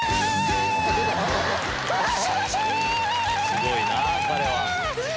すごいな彼は。